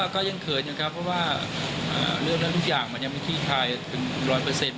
ก็ยังเขินอยู่ครับเพราะว่าเรื่องนั้นทุกอย่างมันยังมีขี้คายเป็นร้อยเปอร์เซ็นต